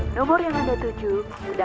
nomor yang anda tujuh